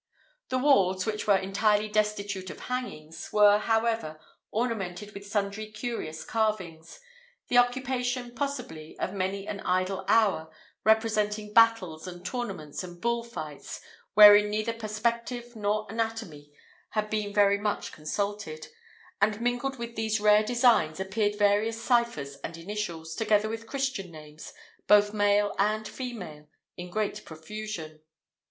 The walls, which were entirely destitute of hangings, were, however, ornamented with sundry curious carvings, the occupation, possibly, of many an idle hour, representing battles, and tournaments, and bull fights, wherein neither perspective nor anatomy had been very much consulted; and mingled with these rare designs, appeared various ciphers and initials, together with Christian names, both male and female, in great profusion.